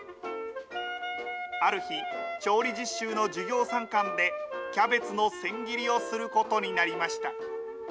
ある日、調理実習の授業参観でキャベツの千切りをすることになりました。